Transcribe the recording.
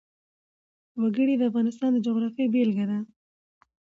وګړي د افغانستان د جغرافیې بېلګه ده.